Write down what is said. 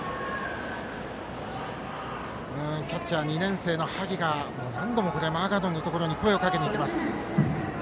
キャッチャー、２年生の萩が何度もマーガードのところに声をかけにいきます。